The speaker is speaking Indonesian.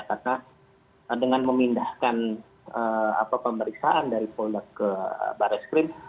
karena dengan memindahkan pemeriksaan dari polda ke baris krim